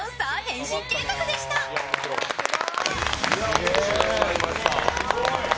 お見事でございました。